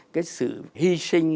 cái sự hy sinh